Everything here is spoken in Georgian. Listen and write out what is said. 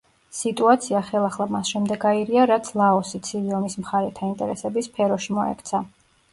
სიტუაცია ხელახლა მას შემდეგ აირია, რაც ლაოსი ცივი ომის მხარეთა ინტერესების სფეროში მოექცა.